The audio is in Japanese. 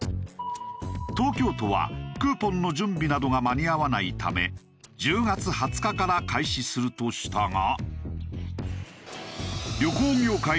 東京都はクーポンの準備などが間に合わないため１０月２０日から開始するとしたが。